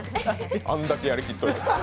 あんだけやりきっておいて。